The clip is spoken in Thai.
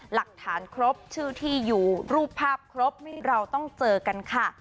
หลักฐานครบชื่อที่อยู่รูปภาพครบนี่เราต้องเจอกันค่ะ